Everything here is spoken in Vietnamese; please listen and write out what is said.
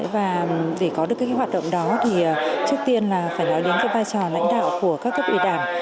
và để có được hoạt động đó trước tiên là phải nói đến vai trò lãnh đạo của các cấp ủy đảng